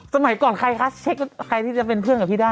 สมัยก่อนใครคะเช็คใครที่จะเป็นเพื่อนกับพี่ได้